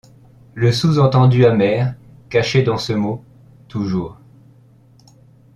le sous-entendu amer caché dans ce mot : toujours.